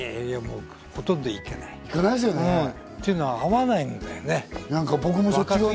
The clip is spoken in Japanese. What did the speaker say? ほとんど行かないというのは、合わないんだよね。